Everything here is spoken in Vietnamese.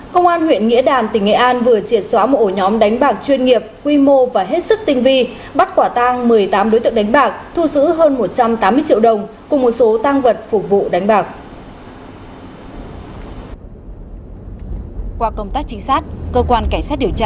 công an huyện nghĩa đàn tỉnh nghệ an vừa triệt xóa một ổ nhóm đánh bạc chuyên nghiệp quy mô và hết sức tinh vi bắt quả tang một mươi tám đối tượng đánh bạc thu giữ hơn một trăm tám mươi triệu đồng cùng một số tăng vật phục vụ đánh bạc